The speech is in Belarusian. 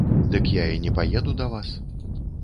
Дык я і не паеду да вас.